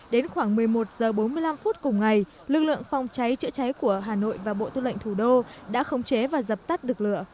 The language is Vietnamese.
đến khoảng một mươi một h bốn mươi năm phút cùng ngày lực lượng phòng cháy chữa cháy của hà nội và bộ tư lệnh thủ đô đã khống chế và dập tắt được lửa